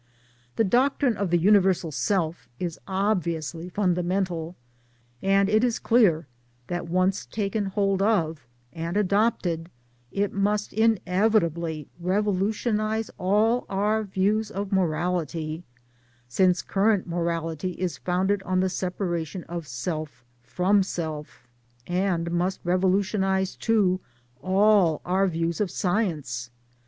The doctrine of the Universal Self is obviously fundamental ; and it is clear that once taken hold, of and adopted it must inevitably revolutionize all our views of Morality since current morality is founded on the separation of self from self ; and must revolutionize too all our views of Science.